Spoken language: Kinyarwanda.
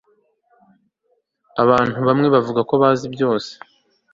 abantu bamwe bavuga ko bazi byose